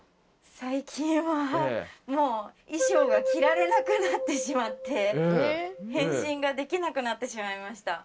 最近はもう衣装が着られなくなってしまって変身ができなくなってしまいました。